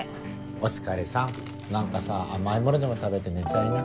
お疲れさん何かさ甘いものでも食べて寝ちゃいな。